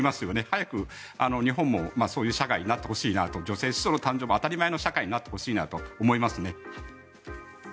早く日本もそういう社会になってほしいなと女性首相の誕生が当たり前の社会になってほしいなと思いますね。